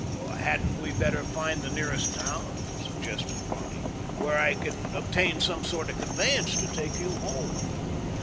"Hadn't we better find the nearest town," suggested Barney, "where I can obtain some sort of conveyance to take you home?"